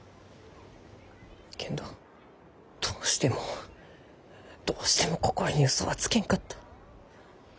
けんどどうしてもどうしても心に嘘はつけんかった。